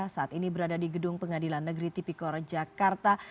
saat ini berada di gedung pengadilan negeri tipikor jakarta